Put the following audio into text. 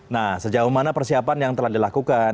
nah sejauh mana persiapan yang telah dilakukan